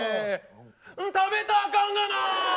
食べたあかんがな！